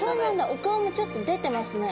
お顔もちょっと出てますね。